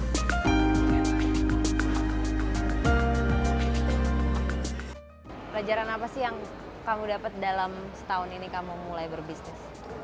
pelajaran apa sih yang kamu dapat dalam setahun ini kamu mulai berbisnis